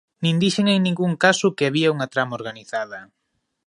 Nin dixen en ningún caso que había unha trama organizada.